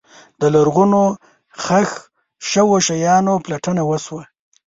د لرغونو ښخ شوو شیانو پلټنه وشوه.